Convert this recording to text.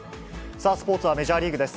さあ、スポーツはメジャーリーグです。